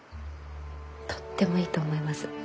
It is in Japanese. とってもいいと思います。